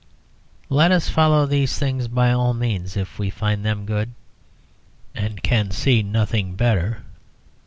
Let us follow these things by all means if we find them good, and can see nothing better.